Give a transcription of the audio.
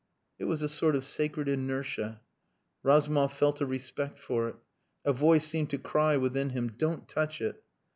It was a sort of sacred inertia. Razumov felt a respect for it. A voice seemed to cry within him, "Don't touch it."